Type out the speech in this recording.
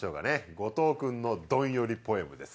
後藤くんのどんよりポエムです